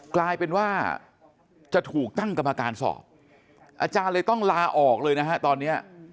กลายเป็นว่าจะถูกตั้งกรรมการสอบอาจารย์เลยต้องลาออกเลยนะฮะตอนนี้